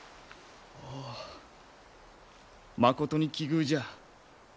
おおまことに奇遇じゃ。